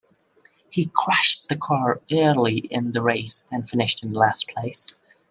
He crashed the car early in the race and finished in last place.